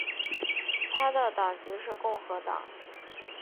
他的党籍是共和党。